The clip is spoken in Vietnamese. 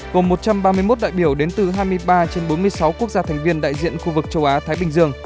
gồm một trăm ba mươi một đại biểu đến từ hai mươi ba trên bốn mươi sáu quốc gia thành viên đại diện khu vực châu á thái bình dương